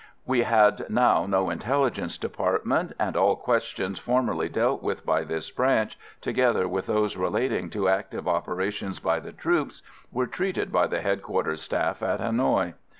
We had now no Intelligence Department; and all questions formerly dealt with by this branch, together with those relating to active operations by the troops, were treated by the Headquarters Staff at Hanoï.